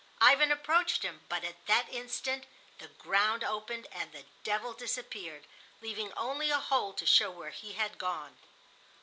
Ivan approached him, but at that instant the ground opened and the devil disappeared, leaving only a hole to show where he had gone.